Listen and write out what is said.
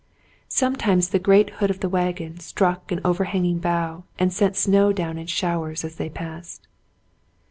Sometimes the great hood of the wagon struck an over hanging bough and sent the snow down in showers as they passed.